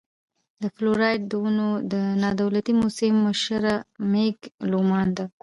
د فلوريډا د ونو د نادولتي مؤسسې مشره مېګ لومان ده.